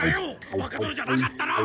若殿じゃなかったら！